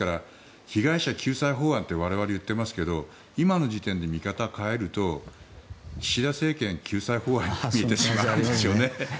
被害者救済法案って我々言ってますけど今の時点で見方変えると岸田政権救済法案に見えてしまうんですね。